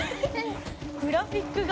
グラフィックが。